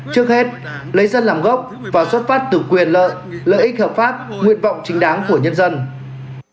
trước hết lấy dân làm gốc và xuất phát từ quyền lợi lợi ích hợp pháp nguyện vọng chính đáng của nhân dân